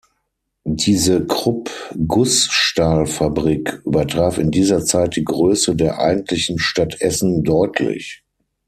Diese Krupp-Gussstahlfabrik übertraf in dieser Zeit die Größe der eigentlichen Stadt Essen deutlich.